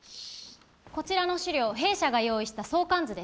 こちらの資料弊社が用意した相関図です。